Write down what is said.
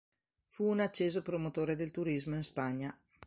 Fu un acceso promotore del turismo in Spagna.